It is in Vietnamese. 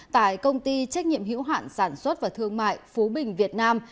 tại công ty trách nhiệm hiểu hạn sản xuất và thương mại phú bình việt nam